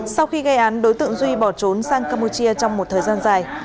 sau khi gây án đối tượng duy bỏ trốn sang campuchia trong một thời gian dài